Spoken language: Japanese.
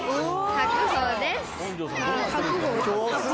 白鵬です。